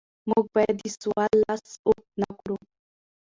موږ باید د سوال لاس اوږد نکړو.